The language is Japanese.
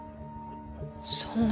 そんな。